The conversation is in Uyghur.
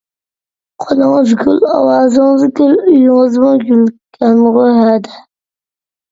قولىڭىز گۈل، ئاۋازىڭىز گۈل، ئۆيىڭىزمۇ گۈلكەنغۇ ھەدە.